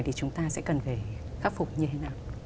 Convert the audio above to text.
thì chúng ta sẽ cần phải khắc phục như thế nào